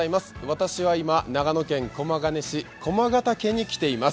私は今、長野県駒ヶ根市、駒ヶ岳に来ています。